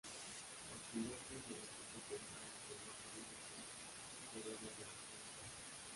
Los pilotos y el equipo pensaban en abortar la misión pero era demasiado tarde.